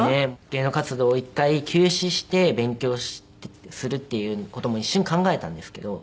芸能活動を一回休止して勉強するっていう事も一瞬考えたんですけど。